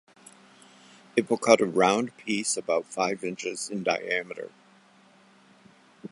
It will cut a round piece about five inches in diameter.